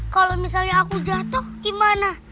kalau misalnya aku jatuh gimana